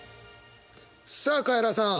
さあカエラさん